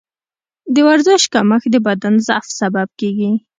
د ورزش کمښت د بدن ضعف سبب کېږي.